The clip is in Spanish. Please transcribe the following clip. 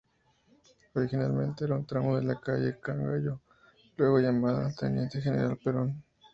Originalmente era un tramo de la calle Cangallo, luego llamada Teniente General Perón.